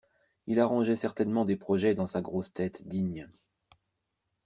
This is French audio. Il arrangeait certainement des projets dans sa grosse tête digne.